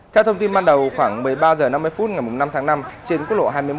theo thông tin ban đầu khoảng một mươi ba h năm mươi phút ngày năm tháng năm trên quốc lộ hai mươi một